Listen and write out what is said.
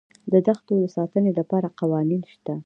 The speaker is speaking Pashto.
د دښتو د ساتنې لپاره قوانین شته.